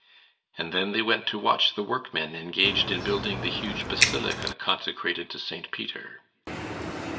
And then they went to watch the workmen engaged in building the huge basilica consecrated to St. Peter.